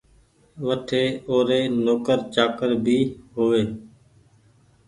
وٺي او ري نوڪر چآڪر ڀي هووي